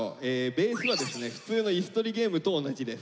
ベースはですね普通のイス取りゲームと同じです。